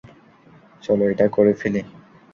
চলো এটা করে ফেলি।